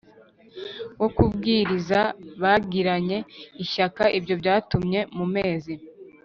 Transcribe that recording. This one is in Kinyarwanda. wo kubwiriza babigiranye ishyaka Ibyo byatumye mu mezi